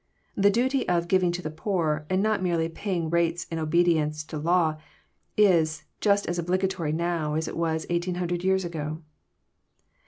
The duty of *• giving to the poor," and not merely paying rates in obedience to law, is just as obligatory now as it was 1800 years ago.